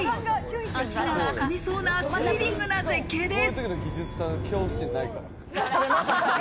足が竦みそうなスリリングな絶景です。